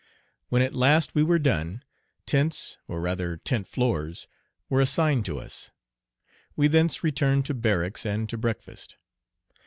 When at last we were done, tents, or rather tent floors, were assigned to us. We thence returned to barracks and to breakfast.